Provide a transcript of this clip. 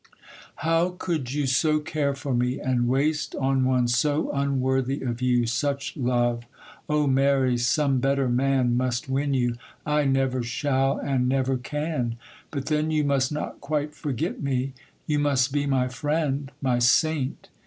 'How could you so care for me, and waste on one so unworthy of you such love? Oh, Mary, some better man must win you; I never shall and never can;—but then you must not quite forget me; you must be my friend, my saint.